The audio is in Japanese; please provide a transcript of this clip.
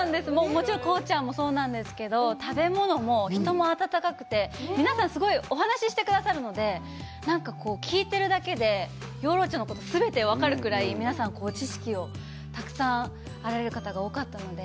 もちろん幸ちゃんもそうなんですけど、食べ物も人も温かくて、皆さんすごいお話ししてくださるので、なんかこう、聞いているだけで養老町のこと、全て分かるくらい皆さん、知識をたくさん、あられる方が多かったので。